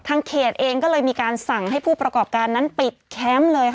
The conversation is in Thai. เขตเองก็เลยมีการสั่งให้ผู้ประกอบการนั้นปิดแคมป์เลยค่ะ